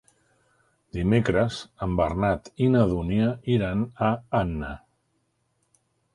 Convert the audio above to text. Dimecres en Bernat i na Dúnia iran a Anna.